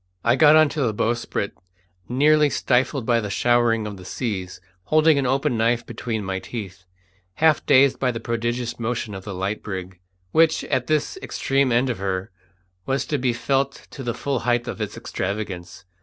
I got on to the bowsprit nearly stifled by the showering of the seas, holding an open knife between my teeth, half dazed by the prodigious motion of the light brig, which, at this extreme end of her, was to be felt to the full height of its extravagance.